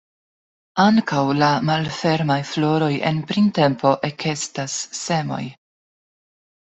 Ankaŭ la malfermaj floroj en printempo ekestas semoj.